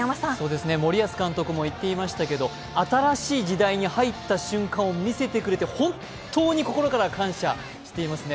森保監督も言っていましたけれども、新しい時代に入った瞬間を見せてくれて、本当に心から感謝していますね。